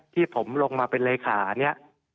ที่ผมลงมาเป็นเลขาเนี่ย